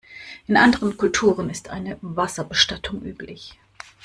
In anderen Kulturen ist eine Wasserbestattung üblich.